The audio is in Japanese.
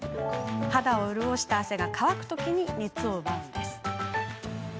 肌を潤した汗が乾くときに熱を奪うんです。